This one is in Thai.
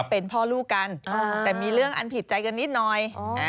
เป็นพ่อลูกกันแต่มีเรื่องอันผิดใจกันนิดหน่อย